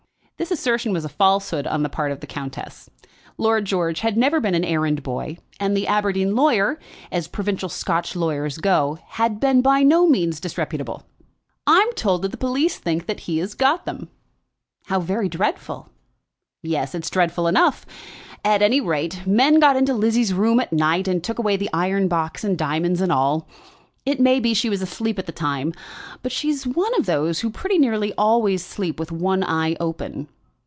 This assertion was a falsehood on the part of the countess; Lord George had never been an errand boy, and the Aberdeen lawyer, as provincial Scotch lawyers go, had been by no means disreputable. "I'm told that the police think that he has got them." "How very dreadful!" "Yes; it's dreadful enough. At any rate, men got into Lizzie's room at night and took away the iron box and diamonds and all. It may be she was asleep at the time; but she's one of those who pretty nearly always sleep with one eye open."